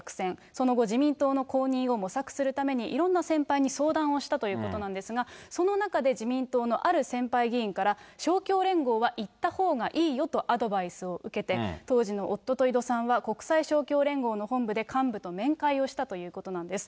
その後、自民党の公認を模索するために、いろんな先輩に相談をしたということなんですが、その中で自民党のある先輩議員から、勝共連合はいったほうがいいよとアドバイスを受けて、当時の夫と井戸さんは、国際勝共連合の本部で幹部と面会をしたということなんです。